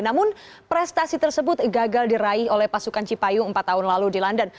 namun prestasi tersebut gagal diraih oleh pasukan cipayung empat tahun lalu di london